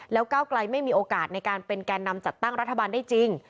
แล้วก้าวไกลไม่มีโอกาสในการเป็นแก่นำจัดตั้งรัฐบาลได้จริง